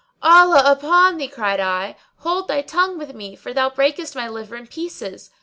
"Allah upon thee," cried I, "hold thy tongue with me, for thou breakest my liver in pieces."